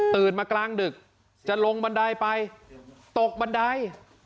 มากลางดึกจะลงบันไดไปตกบันได